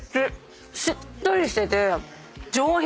しっとりしてて上品！